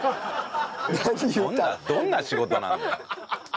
どんな仕事なんだよ。